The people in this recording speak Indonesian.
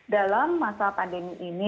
dalam masa pandemi ini